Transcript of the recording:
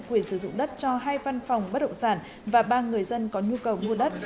quyền sử dụng đất cho hai văn phòng bất động sản và ba người dân có nhu cầu mua đất